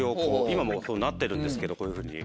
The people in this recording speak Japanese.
今もなってるんですけどこういうふうに。